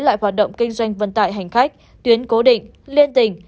lại hoạt động kinh doanh vận tải hành khách tuyến cố định liên tỉnh